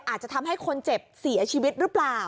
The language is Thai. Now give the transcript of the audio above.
อาจจะทำให้คนเจ็บเสียชีวิตหรือเปล่า